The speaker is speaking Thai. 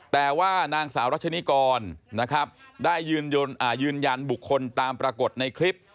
แต่ว่านางสาวรัชนิกรนะครับได้ยืนยันบุคคลตามปรากฏในคลิป